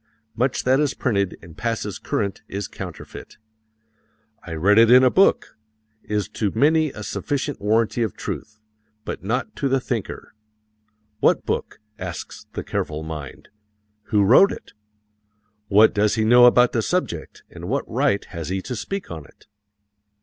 Much that is printed and passes current is counterfeit. "I read it in a book" is to many a sufficient warranty of truth, but not to the thinker. "What book?" asks the careful mind. "Who wrote it? What does he know about the subject and what right has he to speak on it?